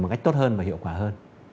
một cách tốt hơn và hiệu quả hơn